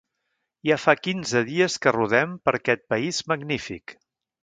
Ja fa quinze dies que rodem per aquest país magnífic.